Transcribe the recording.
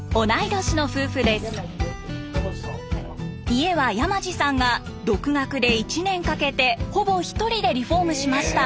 家は山地さんが独学で１年かけてほぼ一人でリフォームしました。